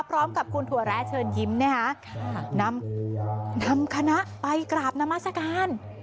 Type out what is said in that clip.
พร้อมกับคุณถั่วแร้เชิญยิ้มนะคะนำคณะไปกราบนามัศกาล